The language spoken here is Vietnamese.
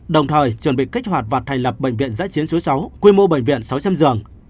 đồng thời chuẩn bị kích hoạt và thành lập bệnh viện giãi chiến số sáu quy mô bệnh viện sáu trăm linh giường